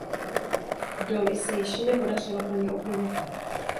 Doly se již nepodařilo plně obnovit.